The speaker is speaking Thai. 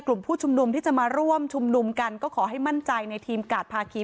กลุ่มผู้ชุมนุมที่จะมาร่วมชุมนุมกันก็ขอให้มั่นใจในทีมกาดภาคี